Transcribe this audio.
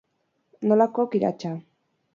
Nolako kiratsa!